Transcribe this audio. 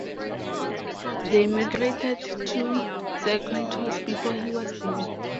They migrated to Zakynthos before he was born.